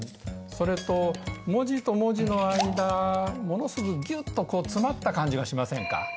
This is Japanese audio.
それと文字と文字の間ものすごいギュッと詰まった感じがしませんか？